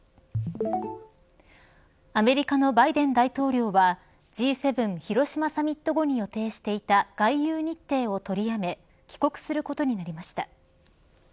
アメリカのバイデン大統領はＧ７広島サミット後に予定していた外遊日程を取りやめ帰国することになりました。